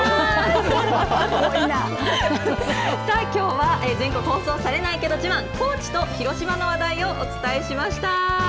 さあきょうは全国放送されないけど自慢高知と広島の話題をお伝えしました。